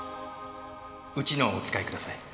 うちのをお使いください